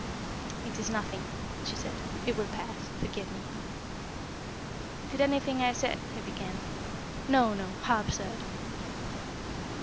"It is nothing," she said. "It will pass. Forgive me." "Did anything I said " he began. "No, no; how absurd!"